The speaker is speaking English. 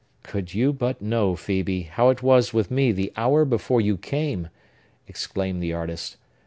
"Could you but know, Phœbe, how it was with me the hour before you came!" exclaimed the artist.